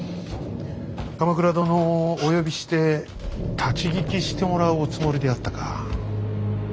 鎌倉殿をお呼びして立ち聞きしてもらうおつもりであったか。